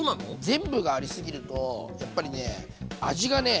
全部がありすぎるとやっぱりね味がね